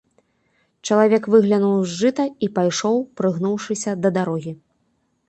Чалавек выглянуў з жыта і пайшоў, прыгнуўшыся, да дарогі.